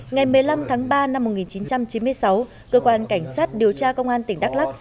ngày một mươi năm tháng ba năm một nghìn chín trăm chín mươi sáu cơ quan cảnh sát điều tra công an tỉnh đắk lắc